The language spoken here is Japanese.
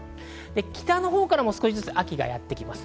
北のほうから少しずつ秋がやってきます。